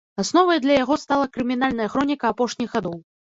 Асновай для яго стала крымінальная хроніка апошніх гадоў.